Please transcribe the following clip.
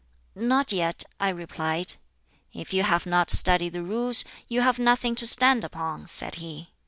'Not yet,' I replied. 'If you have not studied the Rules, you have nothing to stand upon,' said he.